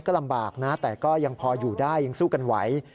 ก็ลำบากนะแต่ก็ยังพออยู่ได้ยังสู้กันไหว